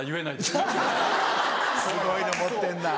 すごいの持ってんな。